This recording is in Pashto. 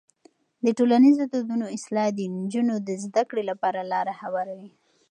د ټولنیزو دودونو اصلاح د نجونو د زده کړې لپاره لاره هواروي.